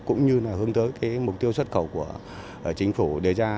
cũng như hướng tới mục tiêu xuất khẩu của chính phủ đề ra